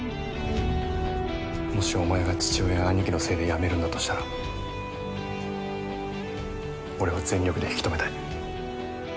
もしお前が父親や兄貴のせいで辞めるんだとしたら俺は全力で引き留めたい。